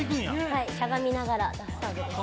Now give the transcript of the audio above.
しゃがみながら出すサーブです。